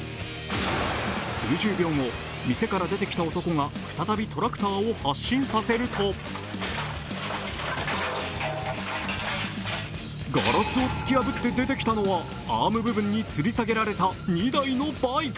数十秒後、店から出てきた男が再びトラクターを発進させるとガラスを突き破って出てきたのは、アーム部分につり下げられた２台のバイク。